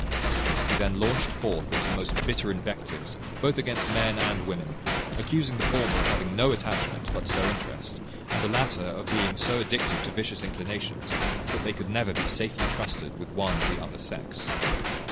He then launched forth into the most bitter invectives both against men and women; accusing the former of having no attachment but to their interest, and the latter of being so addicted to vicious inclinations that they could never be safely trusted with one of the other sex.